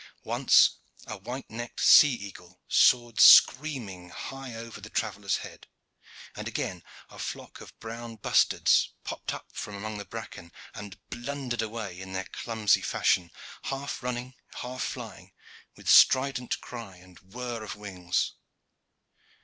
Once a white necked sea eagle soared screaming high over the traveller's head, and again a flock of brown bustards popped up from among the bracken, and blundered away in their clumsy fashion, half running, half flying, with strident cry and whirr of wings.